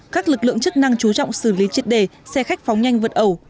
các lực lượng chức năng chú trọng xử lý triệt đề xe khách phóng nhanh vượt ẩu